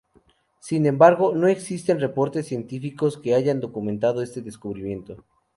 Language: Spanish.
Sin embargo, no existen reportes científicos que hayan documentado este descubrimiento.